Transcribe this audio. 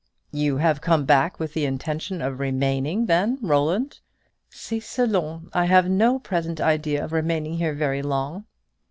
"You have come back with the intention of remaining, then, Roland?" "C'est selon! I have no present idea of remaining here very long."